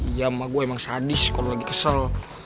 iya sama gue emang sadis kalau lagi kesel